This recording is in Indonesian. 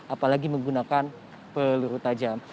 apalagi menggunakan peluru tajam